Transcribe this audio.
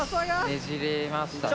ねじれましたね。